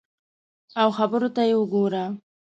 او خبرو ته یې وګوره !